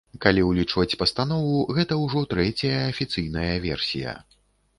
Калі ўлічваць пастанову, гэта ўжо трэцяя афіцыйная версія.